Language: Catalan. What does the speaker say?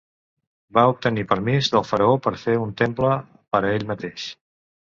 Va obtenir permís del faraó per fer un temple per a ell mateix.